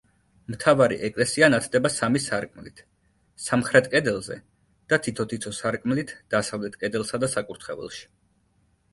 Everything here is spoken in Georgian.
მთავარი ეკლესია ნათდება სამი სარკმლით, სამხრეთ კედელზე და თითო-თითო სარკმლით დასავლეთ კედელსა და საკურთხეველში.